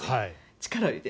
力を入れて。